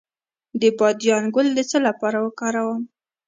د بادیان ګل د څه لپاره وکاروم؟